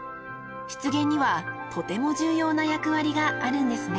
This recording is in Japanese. ［湿原にはとても重要な役割があるんですね］